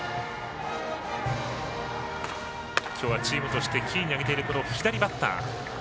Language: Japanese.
きょうはチームとしてキーに挙げている左バッター